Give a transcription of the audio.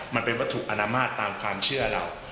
มันเป็นวัตถุอนามาตรตามความเชื่อเรา